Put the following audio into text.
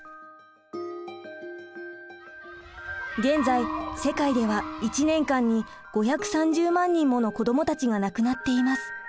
現在世界では１年間に５３０万人もの子どもたちが亡くなっています。